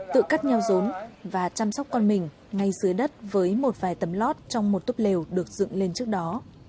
tự cắt nheo rốn và chăm sóc con mình ngay dưới đất với một vài tấm lót trong một túp lều được dựng lên trước đó